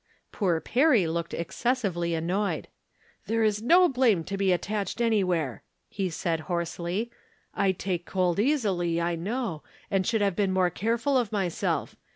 Poor Perry looked excessively annoyed. " There is no blame to be attached anywhere," he said, hoarsely. " I take cold easily, I know, and should have been more careful of myself.